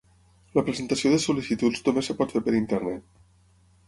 La presentació de sol·licituds només es pot fer per internet.